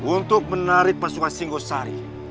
untuk menarik pasukan singosari